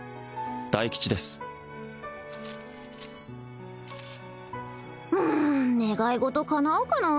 大吉ですはあ願い事叶うかな